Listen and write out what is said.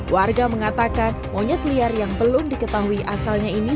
warga mengatakan monyet liar yang belum diketahui asalnya ini